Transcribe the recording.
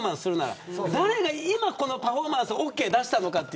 誰が、今このパフォーマンスにオーケー出したのかと。